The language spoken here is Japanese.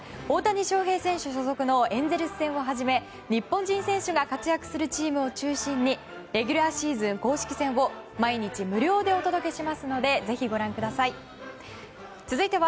大谷翔平選手所属のエンゼルス戦をはじめ日本人選手が活躍するチームを中心にレギュラーシーズン公式戦を毎日無料でお届けしますのでぜひ、ご覧ください。